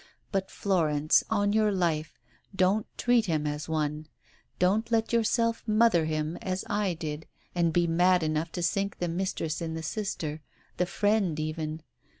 But, Florence, on your life, don't treat him as one. Don't let yourself * mother ' him as I did and be mad enough to sink the mistress in the sister, the friend even.